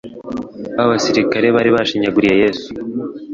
Ba basirikari bari bashinyaguriye Yesu,